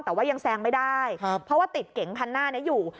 แต่ว่ายังแซงไม่ได้เพราะว่าติดเก๋งคันหน้านี้อยู่